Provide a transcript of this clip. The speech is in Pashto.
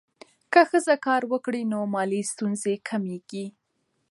که ښځه کار وکړي، نو مالي ستونزې کمېږي.